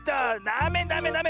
ダメダメダメ！